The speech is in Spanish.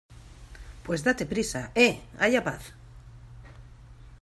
pues date prisa. ¡ eh! haya paz .